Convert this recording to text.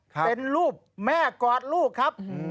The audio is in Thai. เป็นรูปแม่กอดลูกครับ